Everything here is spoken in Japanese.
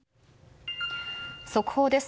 速報です。